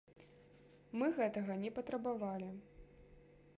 Мы гэтага не патрабавалі.